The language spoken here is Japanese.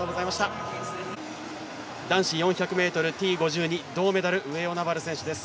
男子４００ｍＴ５２銅メダル、上与那原選手です。